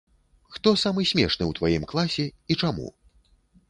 Хто самы смешны ў тваім класе і чаму?